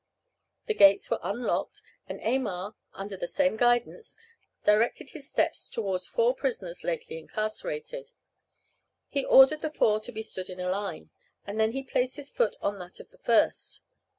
The gates were unlocked, and Aymar, under the same guidance, directed his steps towards four prisoners lately incarcerated. He ordered the four to be stood in a line, and then he placed his foot on that of the first.